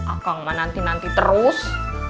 akang mah nanti nanti terus